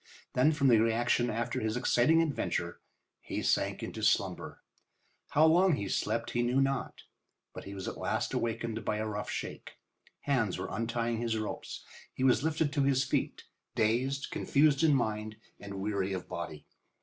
Then from the reaction after his exciting adventure he sank into slumber. How long he slept he knew not, but he was at last awakened by a rough shake. Hands were untying his ropes. He was lifted to his feet, dazed, confused in mind, and weary of body.